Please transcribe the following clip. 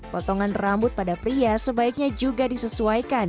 potongan rambut pada pria sebaiknya juga disesuaikan